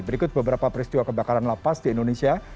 berikut beberapa peristiwa kebakaran la paz di indonesia